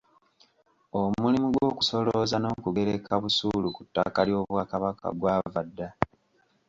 Omulimu gw’okusolooza n’okugereka busuulu ku ttaka ly'Obwakabaka gwava dda.